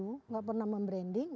tidak pernah membranding